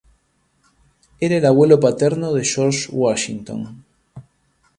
Era el abuelo paterno de George Washington.